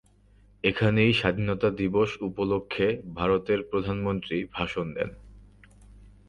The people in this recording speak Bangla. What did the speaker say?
এখানেই স্বাধীনতা দিবস উপলক্ষ্যে ভারতের প্রধানমন্ত্রী ভাষণ দেন।